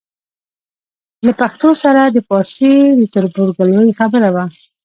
له پښتو سره د پارسي د تربورګلوۍ خبره وه.